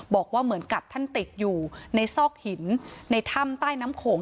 บอกว่าเหมือนกับท่านติดอยู่ในซอกหินในถ้ำใต้น้ำโขง